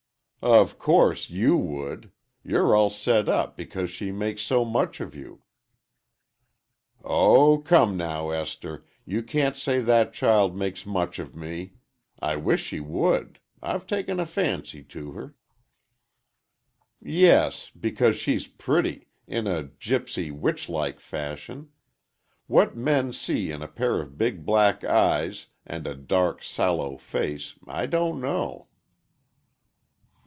"Of course you would! You're all set up because she makes so much of you—" "Oh, come now, Esther, you can't say that child makes much of me! I wish she would. I've taken a fancy to her." "Yes, because she's pretty—in a gipsy, witch like fashion. What men see in a pair of big black eyes, and a dark, sallow face, I don't know!"